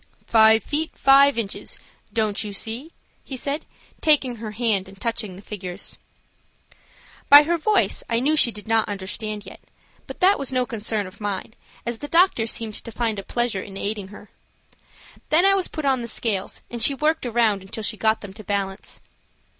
"Five feet five inches; don't you see?" he said, taking her hand and touching the figures. By her voice I knew she did not understand yet, but that was no concern of mine, as the doctor seemed to find a pleasure in aiding her. Then I was put on the scales, and she worked around until she got them to balance.